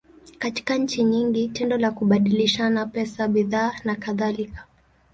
Katika nchi nyingi, tendo la kubadilishana pesa, bidhaa, nakadhalika.